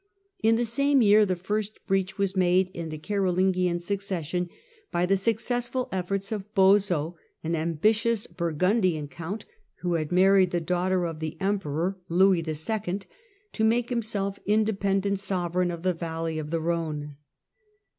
In the same year the first breach was made in the Carolingian succession by the successful efforts of Boso, an ambitious Burgundian count, who had married the daughter of the Emperor Louis II., to make himself independent sovereign of the valley of the Rhone.